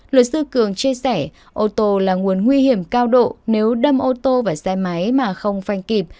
luật sư cường chia sẻ ô tô là nguồn nguy hiểm cao độ nếu đâm ô tô và xe máy mà không phanh kịp